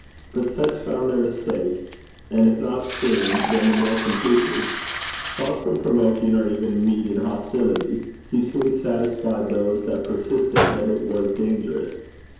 But such found their mistake, and if not soon, then the more completely. Far from provoking or even meeting hostility, he soon satisfied those that persisted, that it was dangerous.